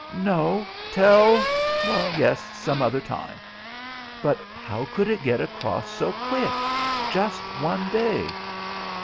"No! Tell " "Yes, some other time." "But how could it get across so quick? Just one day!"